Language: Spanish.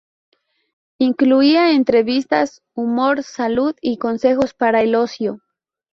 Incluía entrevistas, humor, salud y consejos para el ocio.